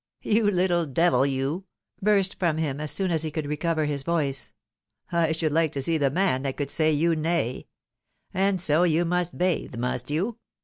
" You little devil, you !" burst from him as soon as he could RESPECTABLE NEIGHBOURS. 131 recover his voice. " I should like to see the man that could say you nay. And so you must bathe, must you